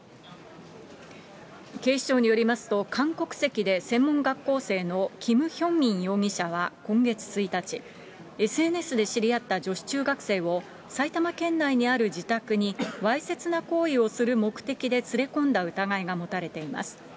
警視庁によりますと、韓国籍で専門学校生のキム・ヒョンミン容疑者は今月１日、ＳＮＳで知り合った女子中学生を埼玉県内にある自宅にわいせつな行為をする目的で連れ込んだ疑いが持たれています。